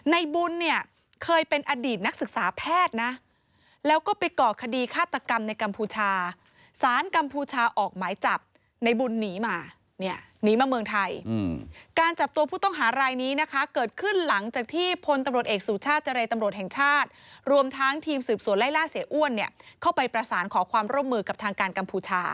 ในบุญเนี่ยเคยเป็นอดีตนักศึกษาแพทย์นะแล้วก็ไปก่อคดีฆาตกรรมในกัมพูชาสารกัมพูชาออกหมายจับในบุญหนีมาเนี่ยหนีมาเมืองไทยการจับตัวผู้ต้องหารายนี้นะคะเกิดขึ้นหลังจากที่พลตำรวจเอกสุชาติเจรตำรวจแห่งชาติรวมทั้งทีมสืบสวนไล่ล่าเสียอ้วนเนี่ยเข้าไปประสานขอความร่วมมือกับทางการกัมพูชา